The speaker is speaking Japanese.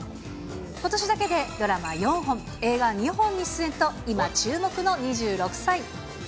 ことしだけでドラマ４本、映画２本に出演と、今、注目の２６歳。